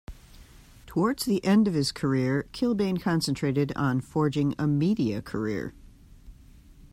Towards the end of his career Kilbane concentrated on forging a media career.